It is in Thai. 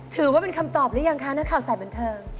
ถือว่าเป็นคำตอบหรือยังคะนักข่าวสายบันเทิง